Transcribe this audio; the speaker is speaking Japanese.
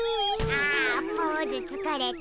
あポーズつかれた。